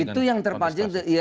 itu yang terpancing